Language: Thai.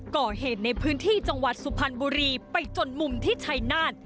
ก่อเหตุในพื้นที่จังหวัดสุพรรณบุรีไปจนมุมที่ชัยนาฏ